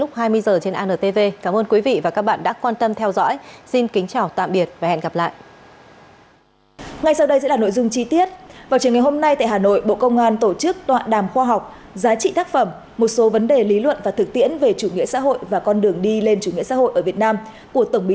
cảm ơn quý vị và các bạn đã quan tâm theo dõi xin kính chào và hẹn gặp lại